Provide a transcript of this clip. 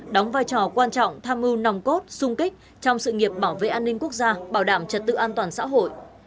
đóng vai trò quan trọng tham mưu nòng cốt sung kích trong sự nghiệp bảo vệ an ninh quốc gia bảo đảm trật tự an toàn xã hội